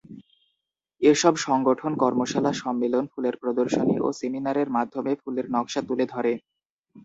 এসব সংগঠন কর্মশালা, সম্মেলন, ফুলের প্রদর্শনী ও সেমিনারের মাধ্যমে ফুলের নকশা তুলে ধরে।